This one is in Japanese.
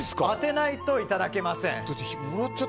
当てないといただけません。